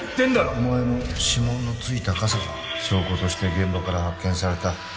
お前の指紋のついた傘が証拠として現場から発見された